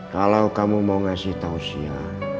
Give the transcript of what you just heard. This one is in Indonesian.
kalau kamu mau ngasih tau sih ya